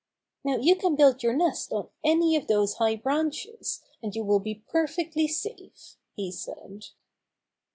"Now you can build your nest on any of those high branches, and you will be perfectly safe," he said.